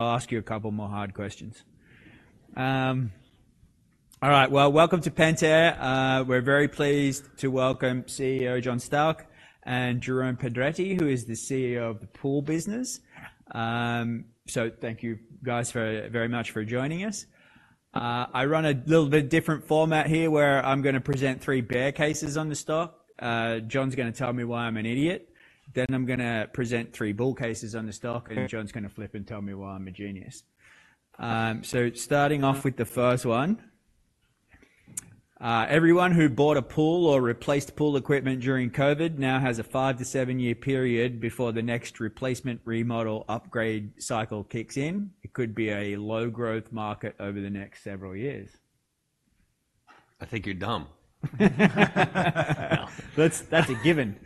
I'll ask you a couple more hard questions. All right, well, welcome to Pentair. We're very pleased to welcome CEO John Stauch and Jerome Pedretti, who is the CEO of the pool business. So thank you guys for, very much for joining us. I run a little bit different format here, where I'm gonna present three bear cases on the stock. John's gonna tell me why I'm an idiot, then I'm gonna present three bull cases on the stock, and John's gonna flip and tell me why I'm a genius. So starting off with the first one, everyone who bought a pool or replaced pool equipment during COVID now has a five to seven year period before the next replacement, remodel, upgrade cycle kicks in. It could be a low growth market over the next several years. I think you're dumb. That's a given.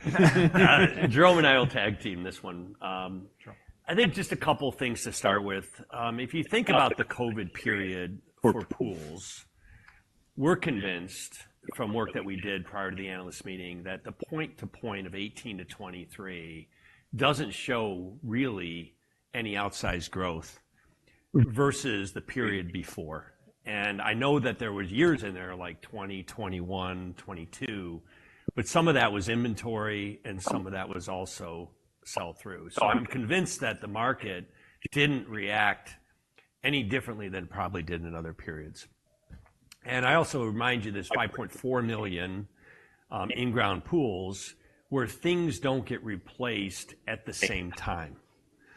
Jerome and I will tag team this one. Sure. I think just a couple things to start with. If you think about the COVID period for pools, we're convinced from work that we did prior to the analyst meeting, that the point to point of 2018-2023 doesn't show really any outsized growth versus the period before. And I know that there was years in there like 2020, 2021, 2022, but some of that was inventory, and some of that was also sell-through. So I'm convinced that the market didn't react any differently than it probably did in other periods. And I also remind you, there's 5.4 million in-ground pools, where things don't get replaced at the same time.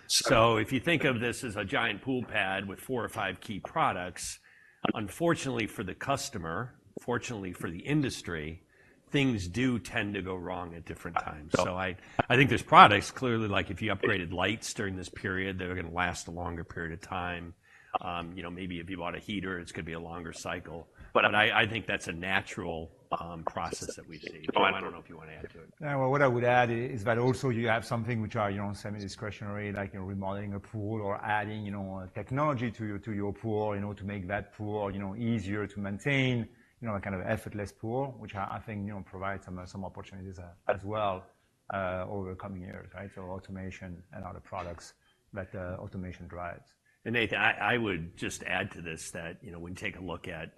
So if you think of this as a giant pool pad with four or five key products, unfortunately for the customer, fortunately for the industry, things do tend to go wrong at different times. So I, I think there's products clearly, like if you upgraded lights during this period, they're gonna last a longer period of time. You know, maybe if you bought a heater, it's gonna be a longer cycle. But I, I think that's a natural process that we've seen. I don't know if you want to add to it. Yeah, well, what I would add is that also you have something which are, you know, semi-discretionary, like you're remodeling a pool or adding, you know, technology to your pool, you know, to make that pool, you know, easier to maintain. You know, a kind of effortless pool, which I think, you know, provides some opportunities as well over the coming years, right? So automation and other products that automation drives. And Nathan, I would just add to this that, you know, when you take a look at,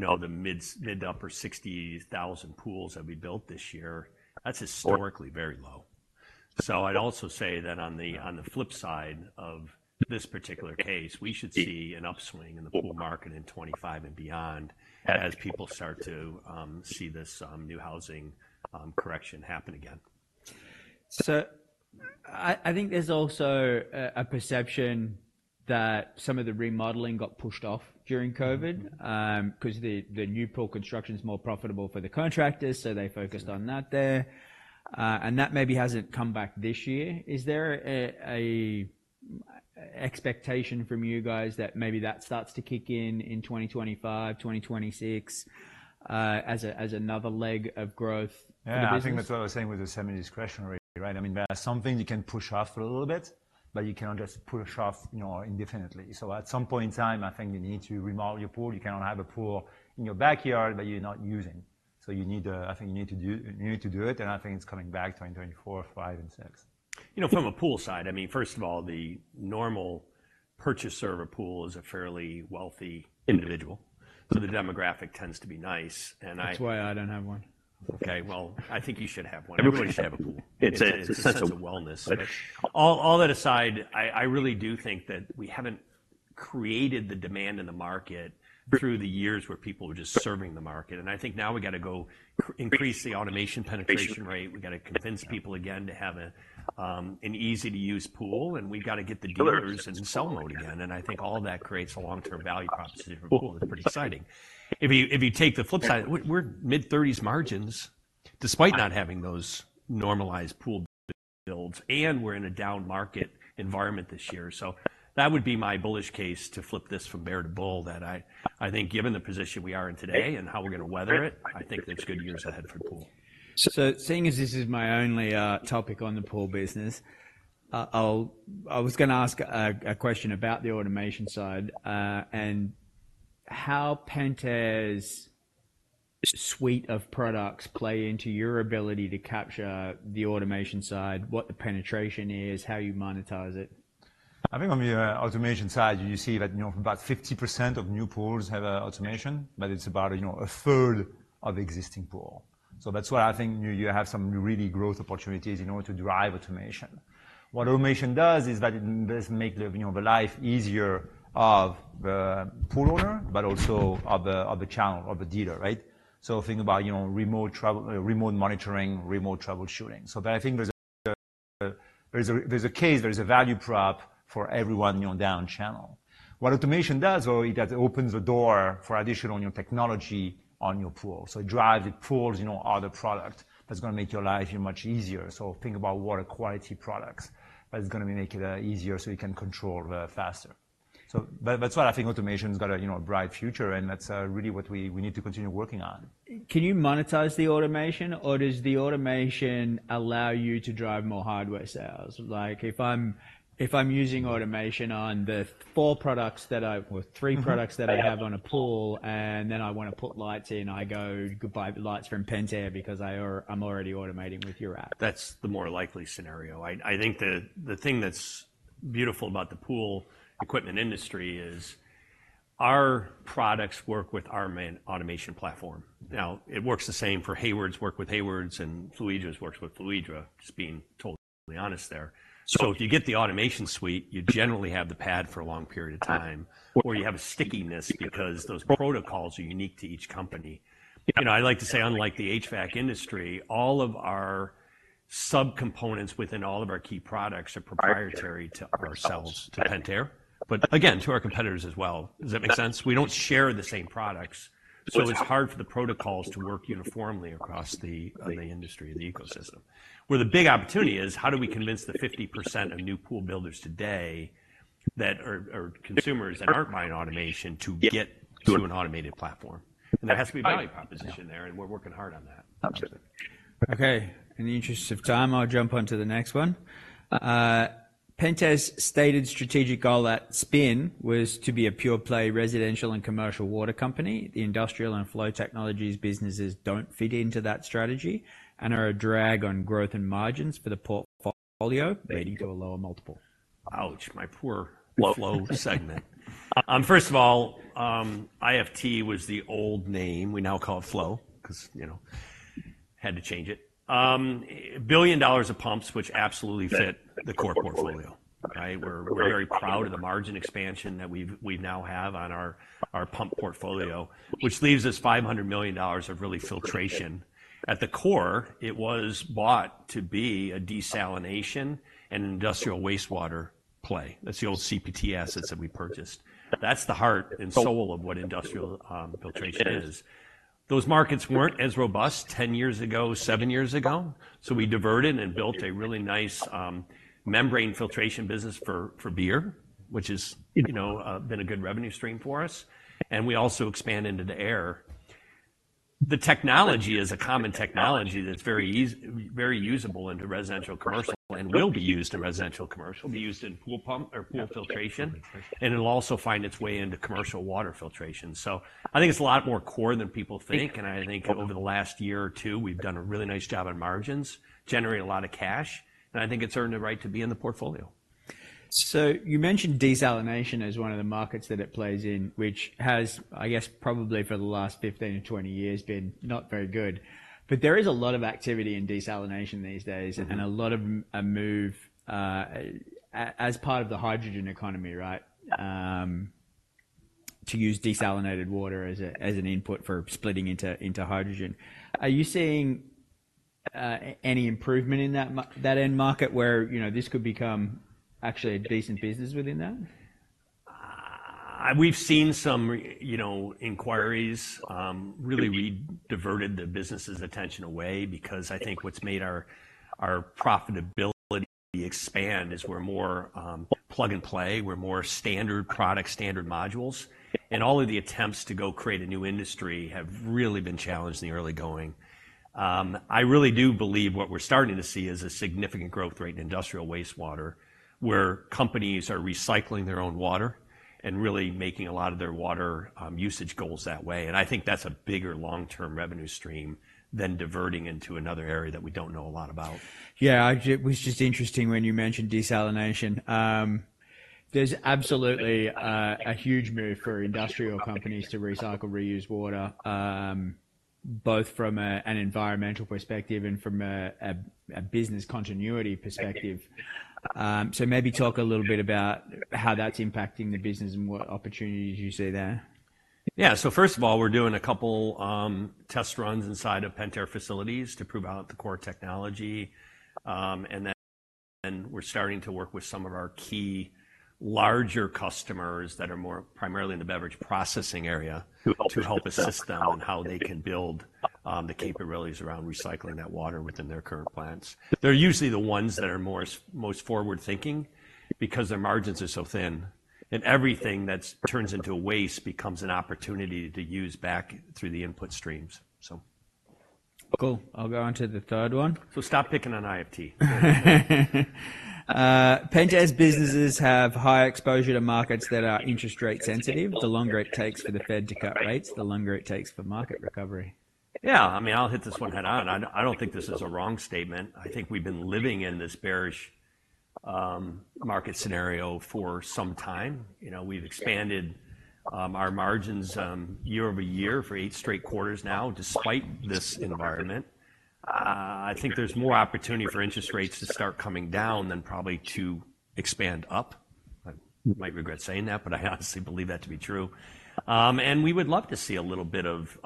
you know, the mid- to upper 60,000 pools that we built this year, that's historically very low. So I'd also say that on the flip side of this particular case, we should see an upswing in the pool market in 2025 and beyond as people start to see this new housing correction happen again. I think there's also a perception that some of the remodeling got pushed off during COVID. Mm-hmm. 'Cause the new pool construction is more profitable for the contractors, so they focused on that there. That maybe hasn't come back this year. Is there a expectation from you guys that maybe that starts to kick in, in 2025, 2026, as another leg of growth in the business? Yeah, I think that's what I was saying with the semi-discretionary, right? I mean, there are some things you can push off for a little bit, but you cannot just push off, you know, indefinitely. So at some point in time, I think you need to remodel your pool. You cannot have a pool in your backyard that you're not using. So you need to... I think you need to do it, and I think it's coming back in 2024, 2025, and 2026. You know, from a pool side, I mean, first of all, the normal purchaser of a pool is a fairly wealthy individual, so the demographic tends to be nice, and I- That's why I don't have one. Okay, well, I think you should have one. Everybody should have a pool. It's a sense of wellness. All that aside, I really do think that we haven't created the demand in the market through the years where people were just serving the market. And I think now we got to go increase the automation penetration rate. We got to convince people again to have an easy-to-use pool, and we've got to get the dealers in sell mode again, and I think all that creates a long-term value proposition for pool. It's pretty exciting. If you take the flip side, we're mid-thirties margins, despite not having those normalized pool builds, and we're in a down market environment this year. That would be my bullish case to flip this from bear to bull, that I, I think given the position we are in today and how we're going to weather it, I think there's good years ahead for pool. So seeing as this is my only topic on the pool business, I was going to ask a question about the automation side, and how Pentair's suite of products play into your ability to capture the automation side, what the penetration is, how you monetize it. I think on the automation side, you see that, you know, about 50% of new pools have automation, but it's about, you know, a third of existing pool. So that's why I think you have some really growth opportunities in order to drive automation. What automation does is that it does make the, you know, the life easier of the pool owner, but also of the channel, of the dealer, right? So think about, you know, remote travel, remote monitoring, remote troubleshooting. So but I think there's a case, there's a value prop for everyone, you know, down channel. What automation does, though, it opens the door for additional new technology on your pool. So it drives, it pulls, you know, other product that's going to make your life much easier. So think about water quality products, that's going to make it easier, so you can control the faster. So that, that's why I think automation's got a, you know, a bright future, and that's really what we need to continue working on. Can you monetize the automation, or does the automation allow you to drive more hardware sales? Like, if I'm using automation on the four products that I... or three products- Mm-hmm ...that I have on a pool, and then I want to put lights in. I go buy lights from Pentair because I’m already automating with your app. That's the more likely scenario. I think the thing that's beautiful about the pool equipment industry is our products work with our main automation platform. Now, it works the same for Hayward's, work with Hayward's, and Fluidra's works with Fluidra, just being totally honest there. So if you get the automation suite, you generally have the pad for a long period of time, or you have a stickiness because those protocols are unique to each company. You know, I like to say, unlike the HVAC industry, all of our subcomponents within all of our key products are proprietary to ourselves, to Pentair, but again, to our competitors as well. Does that make sense? We don't share the same products, so it's hard for the protocols to work uniformly across the industry and the ecosystem. Where the big opportunity is, how do we convince the 50% of new pool builders today that are consumers that aren't buying automation to get to an automated platform? There has to be value proposition there, and we're working hard on that. Absolutely. Okay, in the interest of time, I'll jump onto the next one. Pentair's stated strategic goal at spin was to be a pure play residential and commercial water company. The Industrial and Flow Technologies businesses don't fit into that strategy and are a drag on growth and margins for the portfolio, leading to a lower multiple. Ouch! My poor flow segment. First of all, IFT was the old name. We now call it Flow, 'cause, you know, had to change it. $1 billion of pumps, which absolutely fit the core portfolio, right? We're very proud of the margin expansion that we've, we now have on our, our pump portfolio, which leaves us $500 million of really filtration. At the core, it was bought to be a desalination and industrial wastewater play. That's the old CPT assets that we purchased. That's the heart and soul of what industrial, filtration is. Those markets weren't as robust 10 years ago, seven years ago, so we diverted and built a really nice, membrane filtration business for, for beer, which is, you know, been a good revenue stream for us, and we also expand into the air. The technology is a common technology that's very easy, very usable into residential, commercial, and will be used in residential, commercial. It'll be used in pool pump or pool filtration, and it'll also find its way into commercial water filtration. So I think it's a lot more core than people think, and I think over the last year or two, we've done a really nice job on margins, generated a lot of cash, and I think it's earned the right to be in the portfolio. So you mentioned desalination as one of the markets that it plays in, which has, I guess, probably for the last 15-20 years, been not very good. But there is a lot of activity in desalination these days- Mm-hmm. And a lot of a move as part of the hydrogen economy, right? To use desalinated water as an input for splitting into hydrogen. Are you seeing any improvement in that end market, where, you know, this could become actually a decent business within that? We've seen some, you know, inquiries. Really, we diverted the business's attention away because I think what's made our profitability expand is we're more plug-and-play, we're more standard product, standard modules. And all of the attempts to go create a new industry have really been challenged in the early going. I really do believe what we're starting to see is a significant growth rate in industrial wastewater, where companies are recycling their own water and really making a lot of their water usage goals that way. And I think that's a bigger long-term revenue stream than diverting into another area that we don't know a lot about. Yeah, it was just interesting when you mentioned desalination. There's absolutely a huge move for industrial companies to recycle, reuse water, both from an environmental perspective and from a business continuity perspective. So maybe talk a little bit about how that's impacting the business and what opportunities you see there. Yeah. So first of all, we're doing a couple test runs inside of Pentair facilities to prove out the core technology. And then we're starting to work with some of our key larger customers that are more primarily in the beverage processing area to help assist them on how they can build the capabilities around recycling that water within their current plants. They're usually the ones that are more most forward-thinking because their margins are so thin, and everything that's turns into a waste becomes an opportunity to use back through the input streams, so. Cool. I'll go on to the third one. Stop picking on IFT. Pentair's businesses have high exposure to markets that are interest rate sensitive. The longer it takes for the Fed to cut rates, the longer it takes for market recovery. Yeah, I mean, I'll hit this one head on, and I, I don't think this is a wrong statement. I think we've been living in this bearish market scenario for some time. You know, we've expanded our margins year-over-year for eight straight quarters now, despite this environment. I think there's more opportunity for interest rates to start coming down than probably to expand up. I might regret saying that, but I honestly believe that to be true. And we would love to see a little bit of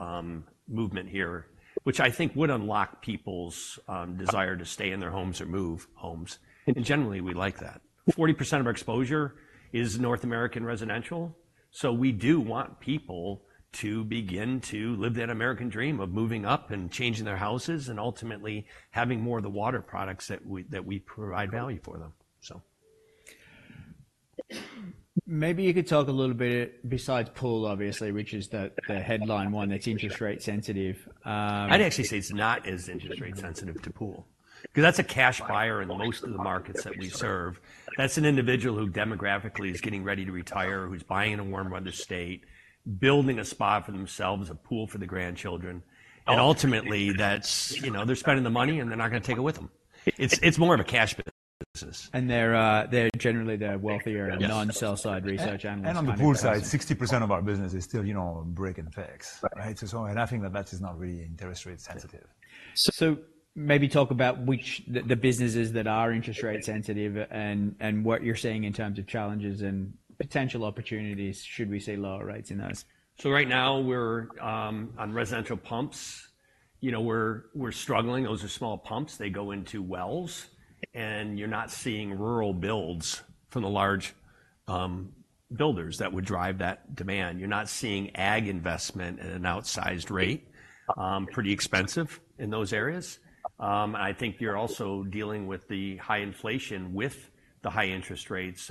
movement here, which I think would unlock people's desire to stay in their homes or move homes, and generally, we like that. 40% of our exposure is North American residential, so we do want people to begin to live that American dream of moving up and changing their houses and ultimately having more of the water products that we, that we provide value for them, so. Maybe you could talk a little bit, besides pool, obviously, which is the headline one that's interest rate sensitive, I'd actually say it's not as interest rate sensitive to pool, 'cause that's a cash buyer in most of the markets that we serve. That's an individual who demographically is getting ready to retire, who's buying in a warm weather state... building a spot for themselves, a pool for the grandchildren. And ultimately, that's, you know, they're spending the money, and they're not gonna take it with them. It's, it's more of a cash business. They're generally wealthier- Yes. non-sell-side research analysts. On the pool side, 60% of our business is still, you know, break and fix. Right. Right? So, I think that is not really interest rate sensitive. Maybe talk about which the businesses that are interest rate sensitive and what you're seeing in terms of challenges and potential opportunities, should we see lower rates in those? So right now, we're on residential pumps, you know, we're struggling. Those are small pumps. They go into wells, and you're not seeing rural builds from the large builders that would drive that demand. You're not seeing ag investment at an outsized rate, pretty expensive in those areas. And I think you're also dealing with the high inflation with the high interest rates,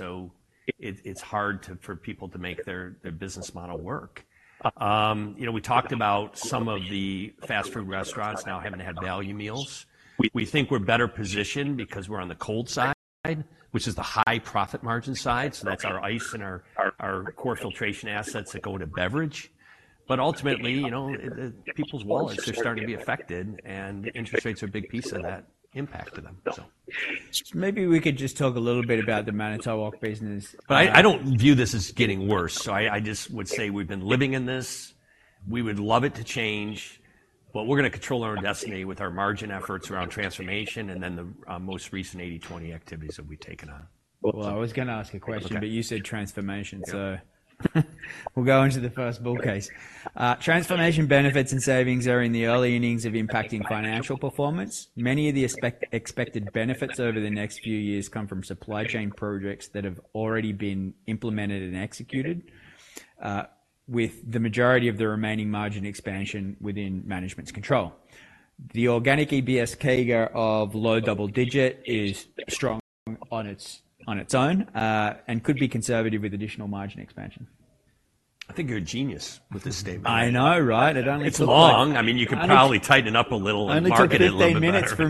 so it's hard for people to make their business model work. You know, we talked about some of the fast food restaurants now having to have value meals. We think we're better positioned because we're on the cold side, which is the high profit margin side, so that's our ice and our core filtration assets that go into beverage. Ultimately, you know, people's wallets are starting to be affected, and interest rates are a big piece of that impact to them, so. Maybe we could just talk a little bit about the Manitowoc business. I don't view this as getting worse, so I just would say we've been living in this. We would love it to change, but we're gonna control our own destiny with our margin efforts around Transformation and then the most recent 80/20 activities that we've taken on. Well, I was gonna ask a question- Okay. But you said transformation, so we'll go into the first bullet case. Transformation benefits and savings are in the early innings of impacting financial performance. Many of the expected benefits over the next few years come from supply chain projects that have already been implemented and executed, with the majority of the remaining margin expansion within management's control. The organic EPS CAGR of low double digit is strong on its, on its own, and could be conservative with additional margin expansion. I think you're a genius with this statement. I know, right? It only took- It's long. I mean, you could probably tighten it up a little and market it a little bit better. Only took 15 minutes for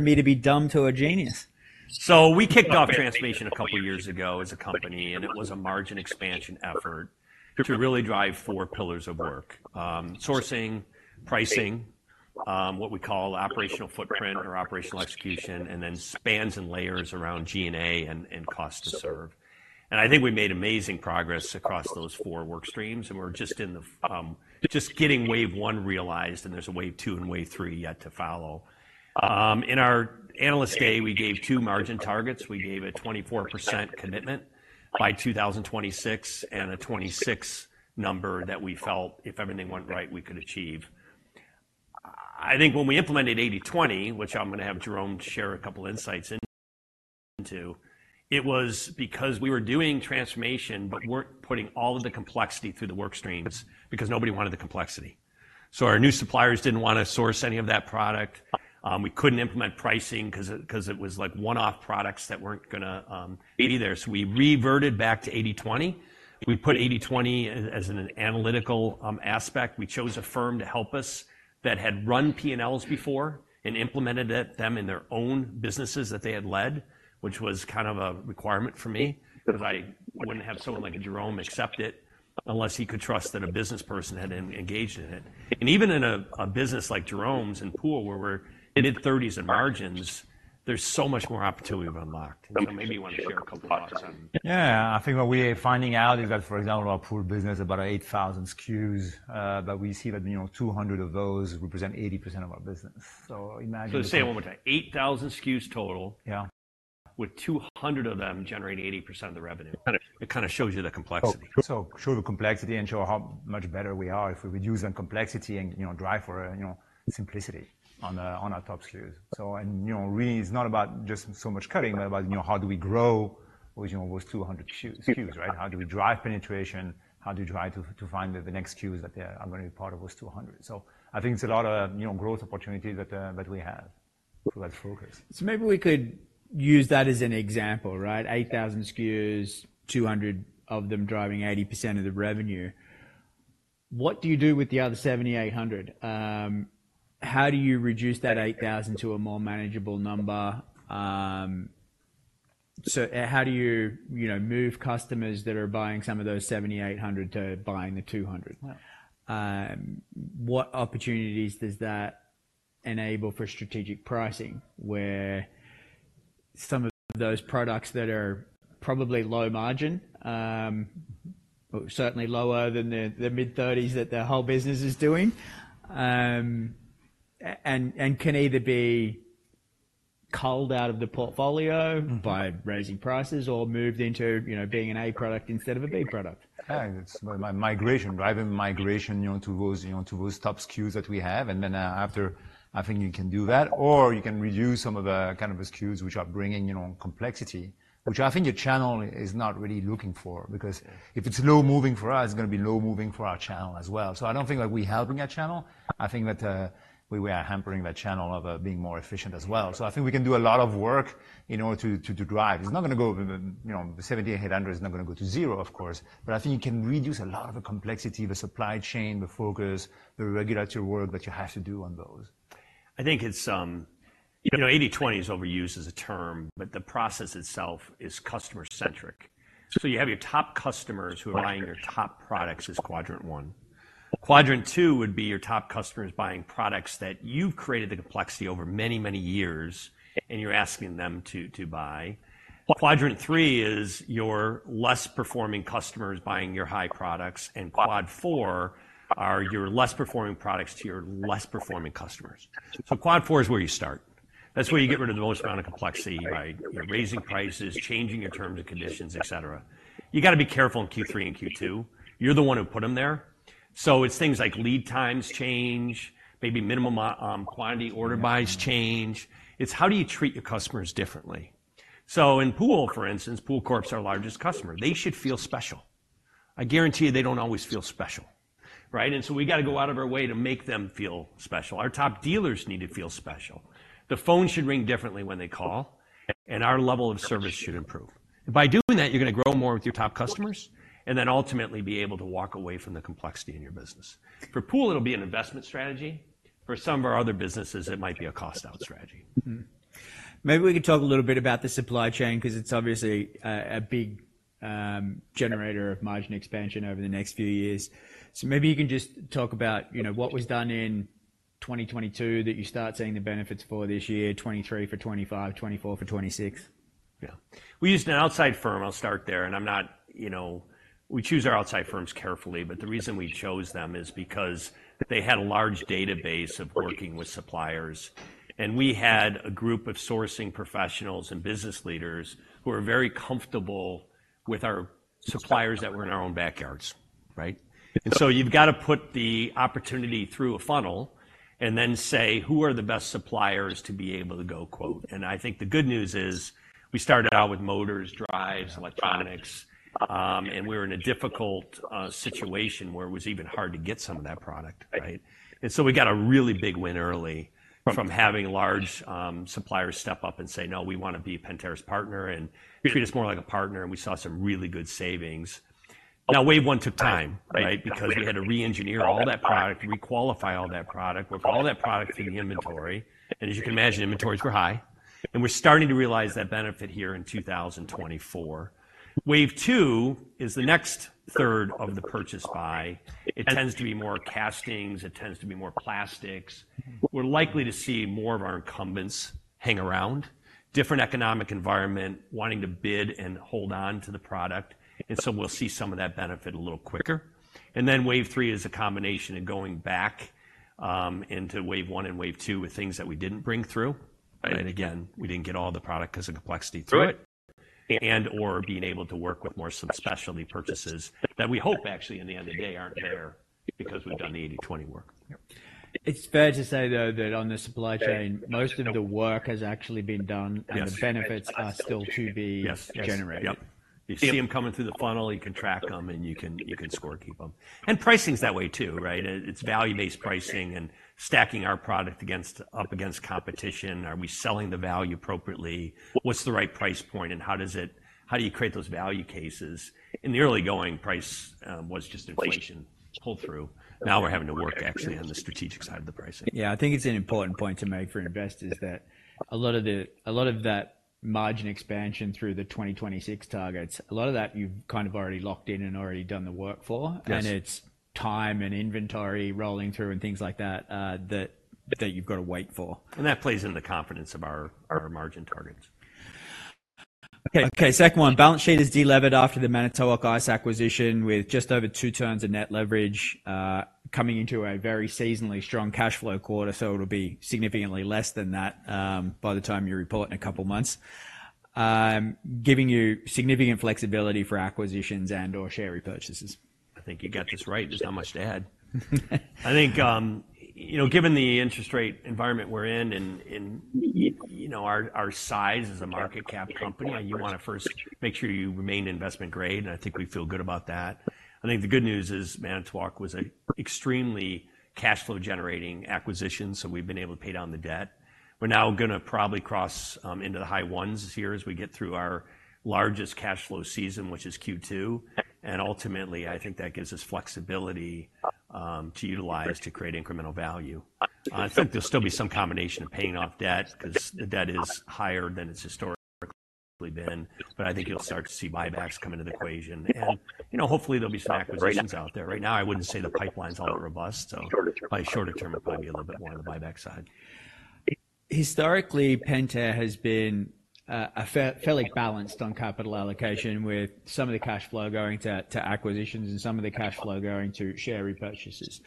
me to go from dumb to a genius. So we kicked off transformation a couple of years ago as a company, and it was a margin expansion effort to really drive four pillars of work. Sourcing, pricing, what we call operational footprint or operational execution, and then spans and layers around G&A and cost to serve. And I think we made amazing progress across those four work streams, and we're just in the just getting wave one realized, and there's a wave two and wave three yet to follow. In our Analyst Day, we gave two margin targets. We gave a 24% commitment by 2026, and a 26 number that we felt if everything went right, we could achieve. I think when we implemented 80/20, which I'm gonna have Jerome share a couple insights into, it was because we were doing transformation but weren't putting all of the complexity through the work streams because nobody wanted the complexity. So our new suppliers didn't wanna source any of that product. We couldn't implement pricing 'cause it was, like, one-off products that weren't gonna be there. So we reverted back to 80/20. We put 80/20 as an analytical aspect. We chose a firm to help us that had run P&Ls before and implemented it, them in their own businesses that they had led, which was kind of a requirement for me, because I wouldn't have someone like a Jerome accept it unless he could trust that a business person had engaged in it. And even in a business like Jerome's in pool, where we're mid-30s in margins, there's so much more opportunity we've unlocked. So maybe you want to share a couple of thoughts on... Yeah, I think what we are finding out is that, for example, our pool business, about 8,000 SKUs, but we see that, you know, 200 of those represent 80% of our business. So imagine- Say it one more time. 8,000 SKUs total- Yeah. -with 200 of them generating 80% of the revenue. It kinda shows you the complexity. So, show the complexity and show how much better we are if we reduce the complexity and, you know, drive for, you know, simplicity on our top SKUs. So, you know, really it's not about just so much cutting, but about, you know, how do we grow with, you know, those 200 SKUs, SKUs, right? How do we drive penetration? How do you try to find the next SKUs that they are gonna be part of those 200? So I think it's a lot of, you know, growth opportunity that, that we have, that focus. So maybe we could use that as an example, right? 8,000 SKUs, 200 of them driving 80% of the revenue. What do you do with the other 7,800? How do you reduce that 8,000 to a more manageable number? So, how do you, you know, move customers that are buying some of those 7,800 to buying the 200? Yeah. What opportunities does that enable for strategic pricing, where some of those products that are probably low margin, certainly lower than the mid-thirties that the whole business is doing, and can either be culled out of the portfolio by raising prices or moved into, you know, being an A product instead of a B product? Yeah, it's migration, right? Migration, you know, to those, you know, to those top SKUs that we have, and then, after... I think you can do that, or you can reduce some of the kind of SKUs which are bringing, you know, complexity, which I think the channel is not really looking for, because if it's low moving for us, it's gonna be low moving for our channel as well. So I don't think that we're helping our channel. I think that, we are hampering that channel of being more efficient as well. So I think we can do a lot of work in order to drive. It's not gonna go, you know, the 7,800 is not gonna go to zero, of course, but I think you can reduce a lot of the complexity, the supply chain, the focus, the regulatory work that you have to do on those.... I think it's, you know, 80/20 is overused as a term, but the process itself is customer-centric. So you have your top customers who are buying your top products as quadrant one. Quadrant two would be your top customers buying products that you've created the complexity over many, many years, and you're asking them to buy. Quadrant three is your less performing customers buying your high products, and quad four are your less performing products to your less performing customers. So quad four is where you start. That's where you get rid of the most amount of complexity by raising prices, changing your terms and conditions, et cetera. You've gotta be careful in Q3 and Q2. You're the one who put them there. So it's things like lead times change, maybe minimum quantity order buys change. It's how do you treat your customers differently? So in Pool, for instance, Pool Corp's our largest customer. They should feel special. I guarantee you they don't always feel special, right? And so we gotta go out of our way to make them feel special. Our top dealers need to feel special. The phone should ring differently when they call, and our level of service should improve. By doing that, you're gonna grow more with your top customers and then ultimately be able to walk away from the complexity in your business. For Pool, it'll be an investment strategy. For some of our other businesses, it might be a cost-out strategy. Mm-hmm. Maybe we could talk a little bit about the supply chain, 'cause it's obviously a big generator of margin expansion over the next few years. So maybe you can just talk about, you know, what was done in 2022 that you start seeing the benefits for this year, 2023 for 2025, 2024 for 2026. Yeah. We used an outside firm, I'll start there, and I'm not, you know... We choose our outside firms carefully, but the reason we chose them is because they had a large database of working with suppliers, and we had a group of sourcing professionals and business leaders who were very comfortable with our suppliers that were in our own backyards, right? And so you've gotta put the opportunity through a funnel and then say, "Who are the best suppliers to be able to go quote?" And I think the good news is, we started out with motors, drives, electronics, and we were in a difficult situation where it was even hard to get some of that product, right? So we got a really big win early from having large suppliers step up and say, "No, we wanna be Pentair's partner, and treat us more like a partner," and we saw some really good savings. Now, wave one took time, right? Because we had to reengineer all that product, requalify all that product, with all that product in the inventory. As you can imagine, inventories were high, and we're starting to realize that benefit here in 2024. Wave two is the next third of the purchase buy. It tends to be more castings, it tends to be more plastics. Mm-hmm. We're likely to see more of our incumbents hang around. Different economic environment, wanting to bid and hold on to the product, and so we'll see some of that benefit a little quicker. Then wave three is a combination of going back into wave one and wave two with things that we didn't bring through. Right. And again, we didn't get all the product because of the complexity to it, and/or being able to work with more some specialty purchases that we hope actually, in the end of the day, aren't there because we've done the 80/20 work. Yep. It's fair to say, though, that on the supply chain, most of the work has actually been done- Yes... and the benefits are still to be- Yes, yes -generated. Yep. You see them coming through the funnel, you can track them, and you can, you can score keep them. And pricing's that way, too, right? It, it's value-based pricing and stacking our product against, up against competition. Are we selling the value appropriately? What's the right price point, and how does it, how do you create those value cases? In the early going, price was just inflation pull through. Now we're having to work actually on the strategic side of the pricing. Yeah, I think it's an important point to make for investors, that a lot of the, a lot of that margin expansion through the 2026 targets, a lot of that you've kind of already locked in and already done the work for. Yes. And it's time and inventory rolling through and things like that you've gotta wait for. That plays into the confidence of our margin targets. Okay, okay, second one. Balance sheet is delivered after the Manitowoc Ice acquisition, with just over two turns of net leverage, coming into a very seasonally strong cash flow quarter, so it'll be significantly less than that, by the time you report in a couple of months. Giving you significant flexibility for acquisitions and/or share repurchases. I think you got this right, there's not much to add. I think, you know, given the interest rate environment we're in and, you know, our size as a market cap company, you wanna first make sure you remain investment grade, and I think we feel good about that. I think the good news is Manitowoc was an extremely cash flow-generating acquisition, so we've been able to pay down the debt. We're now gonna probably cross into the high ones this year as we get through our largest cash flow season, which is Q2, and ultimately, I think that gives us flexibility to utilize to create incremental value. I think there'll still be some combination of paying off debt, 'cause the debt is higher than it's historically been, but I think you'll start to see buybacks come into the equation. You know, hopefully, there'll be some acquisitions out there. Right now, I wouldn't say the pipeline's all that robust, so by shorter term, it might be a little bit more on the buyback side. Historically, Pentair has been a fairly balanced on capital allocation, with some of the cash flow going to acquisitions and some of the cash flow going to share repurchases.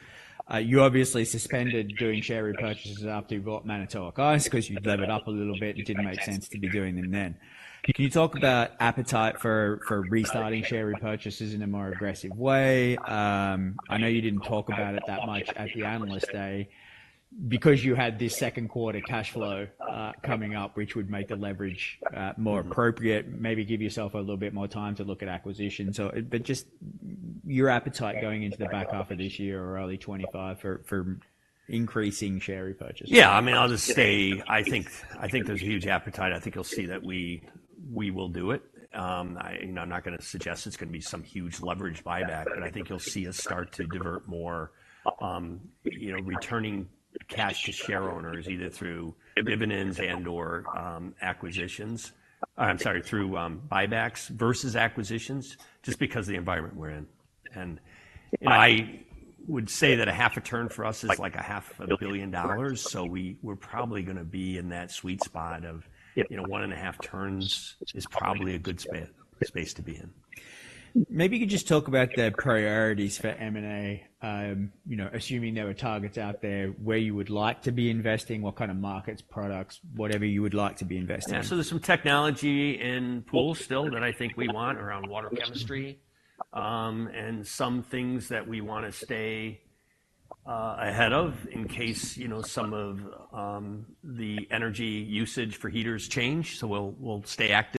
You obviously suspended doing share repurchases after you bought Manitowoc Ice because you levered up a little bit. It didn't make sense to be doing them then. Can you talk about appetite for restarting share repurchases in a more aggressive way? I know you didn't talk about it that much at the Analyst Day because you had this second quarter cash flow coming up, which would make the leverage more appropriate, maybe give yourself a little bit more time to look at acquisitions. But just your appetite going into the back half of this year or early 2025 for increasing share repurchases. Yeah, I mean, I'll just say, I think, I think there's a huge appetite. I think you'll see that we will do it. And I'm not gonna suggest it's gonna be some huge leverage buyback, but I think you'll see us start to divert more, you know, returning cash to shareowners, either through dividends and/or acquisitions. I'm sorry, through buybacks versus acquisitions, just because of the environment we're in. And I would say that half a turn for us is, like, $500 million, so we're probably gonna be in that sweet spot of, you know, 1.5 turns is probably a good space to be in. Maybe you could just talk about the priorities for M&A. You know, assuming there are targets out there, where you would like to be investing, what kind of markets, products, whatever you would like to be investing in? Yeah, so there's some technology in pool still that I think we want around water chemistry. And some things that we wanna stay ahead of in case, you know, some of the energy usage for heaters change, so we'll stay active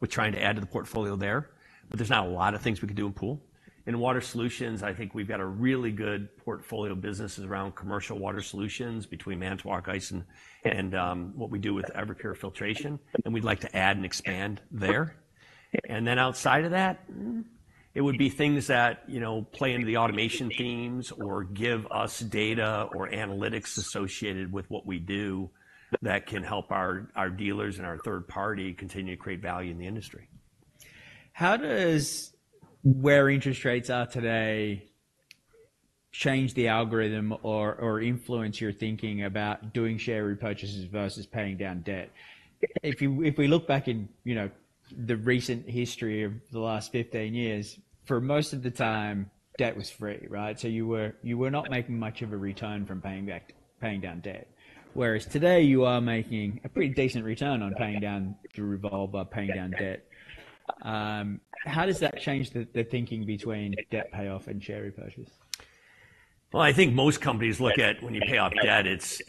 with trying to add to the portfolio there. But there's not a lot of things we could do in pool. In Water Solutions, I think we've got a really good portfolio of businesses around commercial water solutions between Manitowoc Ice and what we do with Everpure Filtration, and we'd like to add and expand there. And then outside of that, it would be things that, you know, play into the automation themes or give us data or analytics associated with what we do that can help our dealers and our third party continue to create value in the industry. How does where interest rates are today change the algorithm or influence your thinking about doing share repurchases versus paying down debt? If we look back in, you know, the recent history of the last 15 years, for most of the time, debt was free, right? So you were not making much of a return from paying back, paying down debt, whereas today, you are making a pretty decent return on paying down, through revolve, but paying down debt. How does that change the thinking between debt payoff and share repurchase? Well, I think most companies look at when you pay off debt, it's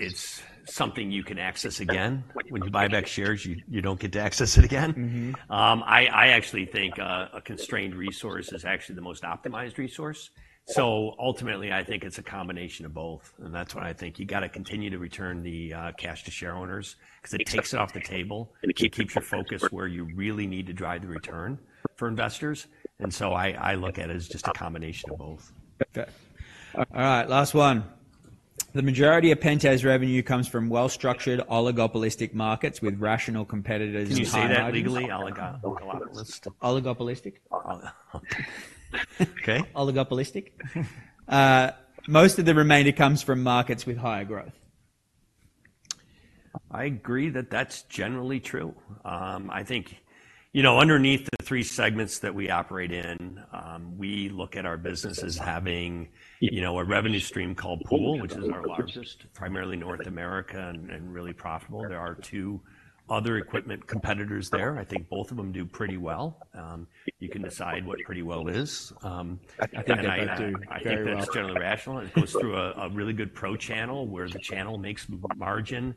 something you can access again. When you buy back shares, you don't get to access it again. Mm-hmm. I actually think a constrained resource is actually the most optimized resource, so ultimately I think it's a combination of both, and that's why I think you've gotta continue to return the cash to shareowners, 'cause it takes it off the table and it keeps your focus where you really need to drive the return for investors, and so I look at it as just a combination of both. Okay. All right, last one. The majority of Pentair's revenue comes from well-structured, oligopolistic markets with rational competitors. Can you say that legally? Oligopolistic. Oligopolistic. Okay. Oligopolistic. Most of the remainder comes from markets with higher growth. I agree that that's generally true. I think, you know, underneath the three segments that we operate in, we look at our business as having, you know, a revenue stream called Pool, which is our largest, primarily North America, and really profitable. There are two other equipment competitors there. I think both of them do pretty well. You can decide what pretty well is. And I- I think they do very well.... I think that's generally rational, and it goes through a really good pro channel, where the channel makes margin.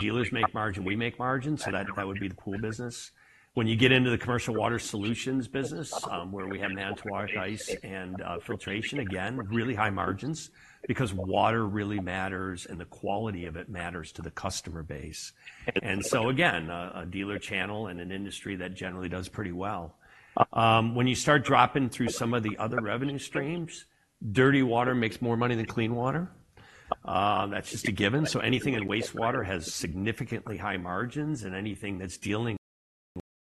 Dealers make margin, we make margin, so that would be the pool business. When you get into the commercial Water Solutions business, where we have Manitowoc Ice and Filtration, again, really high margins because water really matters, and the quality of it matters to the customer base. So again, a dealer channel and an industry that generally does pretty well. When you start dropping through some of the other revenue streams, dirty water makes more money than clean water. That's just a given. So anything in wastewater has significantly high margins, and anything that's dealing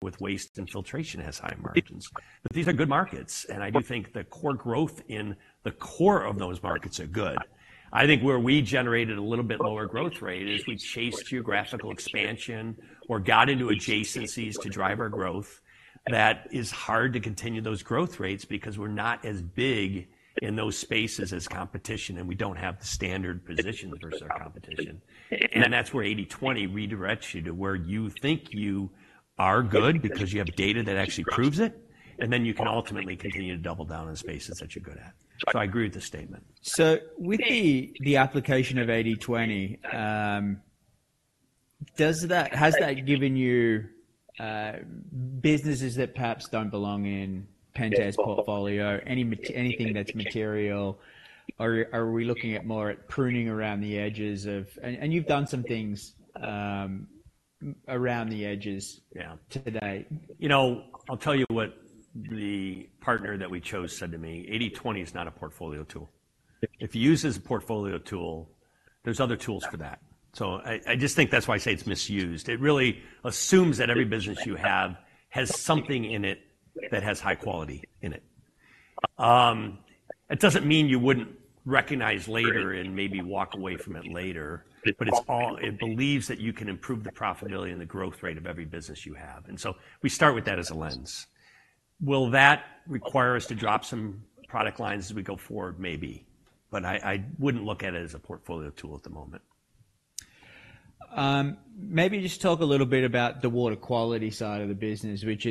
with waste and filtration has high margins. But these are good markets, and I do think the core growth in the core of those markets are good. I think where we generated a little bit lower growth rate is we chased geographical expansion or got into adjacencies to drive our growth. That is hard to continue those growth rates because we're not as big in those spaces as competition, and we don't have the standard position versus our competition. And that's where 80/20 redirects you to where you think you are good because you have data that actually proves it, and then you can ultimately continue to double down on the spaces that you're good at. So I agree with the statement. So with the application of 80/20, does that, has that given you businesses that perhaps don't belong in Pentair's portfolio, anything that's material, or are we looking at more at pruning around the edges of... And you've done some things around the edges- Yeah... today. You know, I'll tell you what the partner that we chose said to me, "80/20 is not a portfolio tool. If you use it as a portfolio tool, there's other tools for that." So I just think that's why I say it's misused. It really assumes that every business you have has something in it that has high quality in it. It doesn't mean you wouldn't recognize later and maybe walk away from it later, but it believes that you can improve the profitability and the growth rate of every business you have, and so we start with that as a lens. Will that require us to drop some product lines as we go forward? Maybe, but I wouldn't look at it as a portfolio tool at the moment. Maybe just talk a little bit about the water quality side of the business, which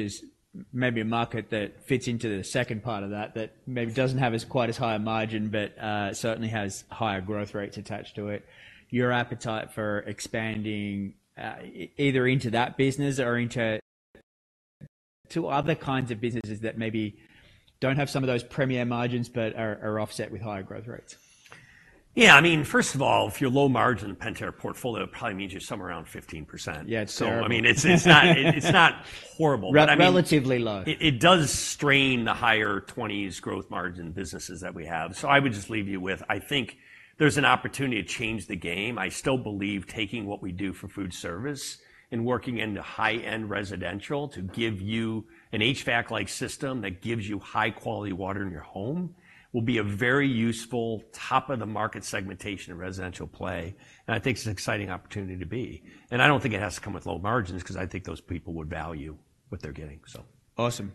is maybe a market that fits into the second part of that, that maybe doesn't have quite as high a margin but certainly has higher growth rates attached to it. Your appetite for expanding either into that business or into other kinds of businesses that maybe don't have some of those premier margins but are offset with higher growth rates. Yeah, I mean, first of all, if you're low margin in Pentair portfolio, it probably means you're somewhere around 15%. Yeah, it's terrible. I mean, it's, it's not, it's not horrible, but I mean- Relatively low... it, it does strain the higher twenties growth margin businesses that we have. So I would just leave you with, I think there's an opportunity to change the game. I still believe taking what we do for food service and working in the high-end residential to give you an HVAC-like system that gives you high-quality water in your home, will be a very useful top-of-the-market segmentation in residential play, and I think it's an exciting opportunity to be. And I don't think it has to come with low margins, 'cause I think those people would value what they're getting, so. Awesome.